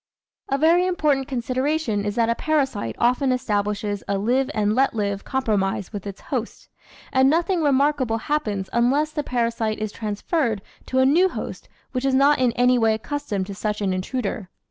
A very important consideration is that a parasite often establishes a live and let live compro mise with its host, and nothing remarkable happens unless the parasite is transferred to a new host which is not in any way accustomed to such an intruder.